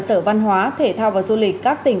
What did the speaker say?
sở văn hóa thể thao và du lịch các tỉnh